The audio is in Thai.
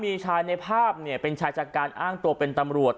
มีชายในภาพเนี่ยเป็นชายจัดการอ้างตัวเป็นตำรวจ